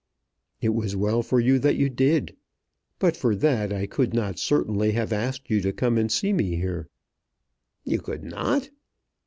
"It was well for you that you did. But for that I could not certainly have asked you to come and see me here." "You could not?"